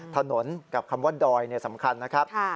ถนนกับคำว่าดอยสำคัญนะครับ